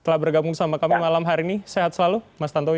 telah bergabung bersama kami malam hari ini sehat selalu mas tantowi